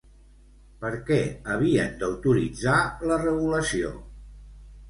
Per què havien d'autoritzar la regulació?